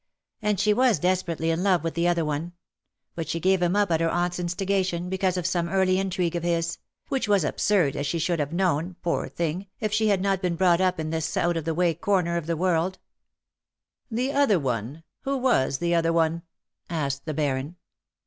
"And she was desperately in love with the other one. But she gave him up at her aunt's instigation, because of some early intrigue of his — which was absurd, as she would have known, poor thing, if she had not been brought up in this out of the way corner of the world." 160 ^^ TIME TURNS THE OLD DAYS TO DERISION/' " The other one. Who was the other one ?'* asked the Baron.